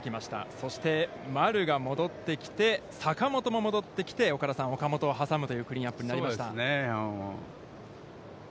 そして、丸が戻ってきて坂本も戻ってきて、岡田さん、岡本を挟むというクリーンナップになりました。